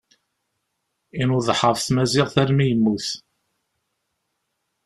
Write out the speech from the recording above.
Inuḍeḥ ɣef tmaziɣt almi yemmut.